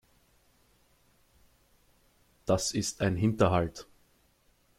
Das ist ein Hinterhalt.